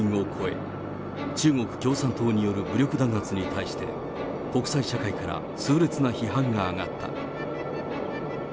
当局発表だけでも犠牲者は３００人を超え、中国共産党による武力弾圧に対して、国際社会から痛烈な批判が上がった。